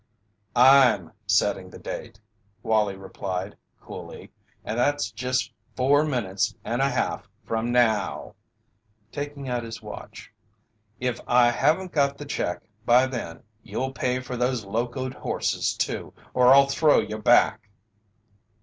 "I'm setting the date," Wallie replied, coolly, "and that's just four minutes and a half from now," taking out his watch. "If I haven't got the check by then you'll pay for those locoed horses, too, or I'll throw you back."